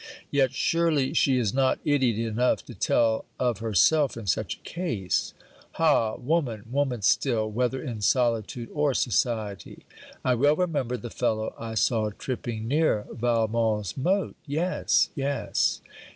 Yet, surely she is not idiot enough to tell of herself in such a case! Ha! woman! woman still! whether in solitude or society! I well remember the fellow I saw tripping near Valmont's moat. Yes, yes.